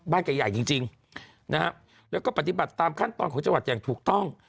ใหญ่ใหญ่จริงนะฮะแล้วก็ปฏิบัติตามขั้นตอนของจังหวัดอย่างถูกต้อง